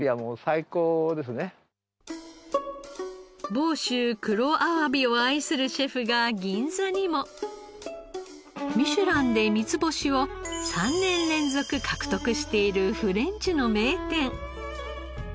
房州黒あわびを愛するシェフが銀座にも。ミシュランで三つ星を３年連続獲得しているフレンチの名店。